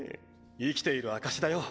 生きている証しだよ。